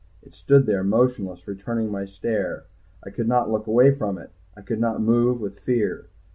It stood there motionless, returning my stare, I could not look away from it. I could not move, with fear.